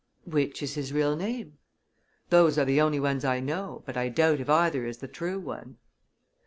"Which is his real name?" "Those are the only ones I know, but I doubt if either is the true one."